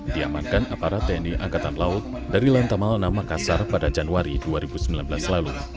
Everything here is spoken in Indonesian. diamankan aparat tni angkatan laut dari lantamalna makassar pada januari dua ribu sembilan belas lalu